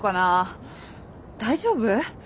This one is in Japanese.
大丈夫？